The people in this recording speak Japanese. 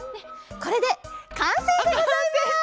これでかんせいでございます！